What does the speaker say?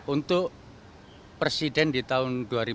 untuk presiden ditentukan